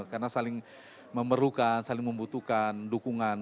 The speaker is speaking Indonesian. karena saling memerlukan saling membutuhkan dukungan